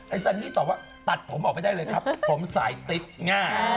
ซันนี่ตอบว่าตัดผมออกไม่ได้เลยครับผมสายติ๊ดง่า